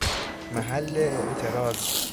محل اعتراض